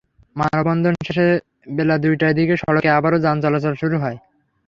মানববন্ধন শেষে বেলা দুইটার দিকে সড়কে আবারও যান চলাচল শুরু হয়।